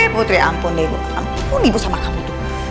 putri ampun deh ibu ampun ibu sama kamu tuh